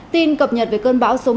tin cập nhật về cơn bóng